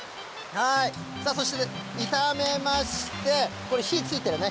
そして炒めまして、これ、火ついてるね？